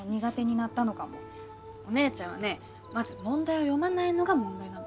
お姉ちゃんはねまず問題を読まないのが問題なの。